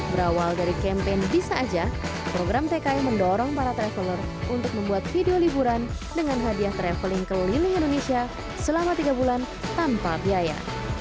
berawal dari campaign bisa aja program tki mendorong para traveler untuk membuat video liburan dengan hadiah traveling keliling indonesia selama tiga bulan tanpa biaya